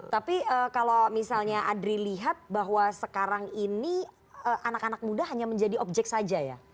tapi kalau misalnya adri lihat bahwa sekarang ini anak anak muda hanya menjadi objek saja ya